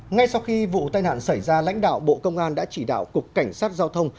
ngay sau khi vụ tai nạn xảy ra lãnh đạo bộ công an đã chỉ đạo cục cảnh sát giao thông